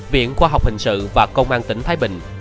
viện khoa học hình sự và công an tỉnh thái bình